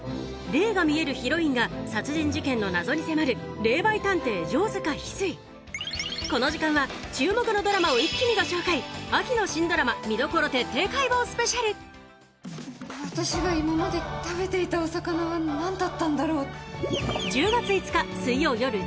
霊が見えるヒロインが殺人事件の謎に迫るこの時間は注目のドラマを一気にご紹介秋の新ドラマ私が今まで食べていたお魚は何だったんだろう。